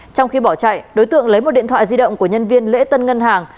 trong khi bỏ chạy đối tượng lấy một điện thoại di động của nhân viên lễ tân ngân hàng